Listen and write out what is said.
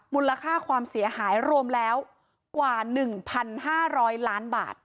มูลค่าความเสียหายรวมแล้วกว่า๑๕๐๐ล้านบาท